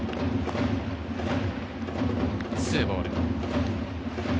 ツーボール。